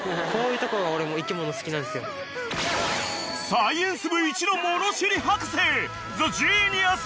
［サイエンス部一の物知り博士］